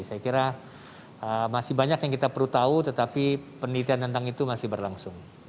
saya kira masih banyak yang kita perlu tahu tetapi penelitian tentang itu masih berlangsung